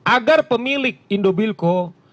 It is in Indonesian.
agar pemilik indobilco